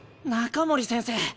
中森先生